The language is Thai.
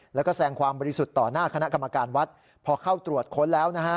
แล้วก็แสงความบริสุทธิ์ต่อหน้าคณะกรรมการวัดพอเข้าตรวจค้นแล้วนะฮะ